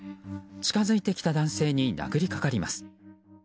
近づいてきた男性に殴り掛かります。